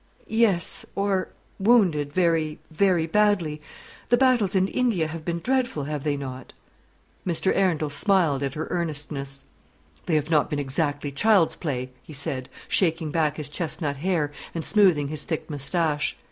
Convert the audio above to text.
"Yes; or wounded very, very badly. The battles in India have been dreadful, have they not?" Mr. Arundel smiled at her earnestness. "They have not been exactly child's play," he said, shaking back his chesnut hair and smoothing his thick moustache.